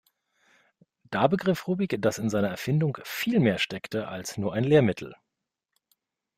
Da begriff Rubik, dass in seiner Erfindung viel mehr steckte, als nur ein Lehrmittel.